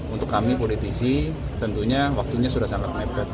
untuk kami politisi tentunya waktunya sudah sangat mepet